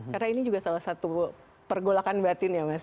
karena ini juga salah satu pergolakan batin ya mas